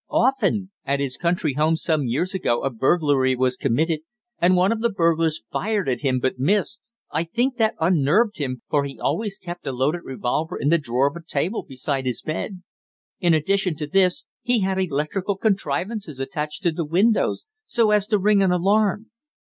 "Often. At his country house some years ago a burglary was committed, and one of the burglars fired at him but missed. I think that unnerved him, for he always kept a loaded revolver in the drawer of a table beside his bed. In addition to this he had electrical contrivances attached to the windows, so as to ring an alarm."